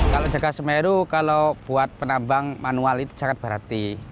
kalau jaga semeru kalau buat penambang manual itu sangat berarti